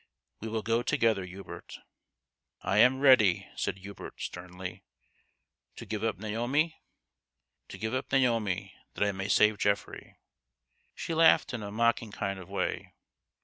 We will go together, Hubert." " I am ready," said Hubert, sternly. " To give up Naomi ?"" To give up Naomi that I may save Geoffrey." THE GHOST OF THE PAST. 183 She laughed in a mocking kind of way.